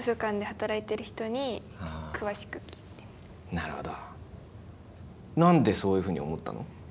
なるほど。